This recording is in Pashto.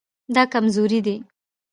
دا کمزوری دی